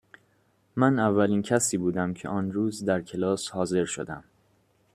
من اولین کسی بودم که آن روز در کلاس حاضر شدم.